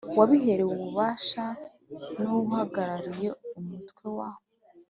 wabiherewe ububasha n uhagarariye umutwe wa